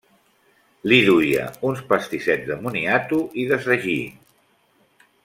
Li duia uns pastissets de moniato i de sagí.